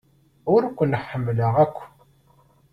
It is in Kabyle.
Ur ken-ḥemmleɣ akk.